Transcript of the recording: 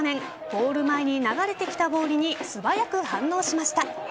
ゴール前に流れてきたボールに素早く反応しました。